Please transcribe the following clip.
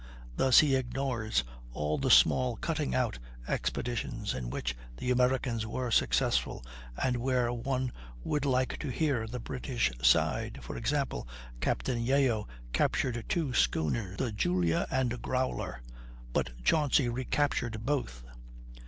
Thus he ignores all the small "cutting out" expeditions in which the Americans were successful, and where one would like to hear the British side. For example, Captain Yeo captured two schooners, the Julia and Growler, but Chauncy recaptured both.